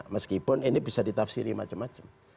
meskipun ini bisa ditafsiri macam macam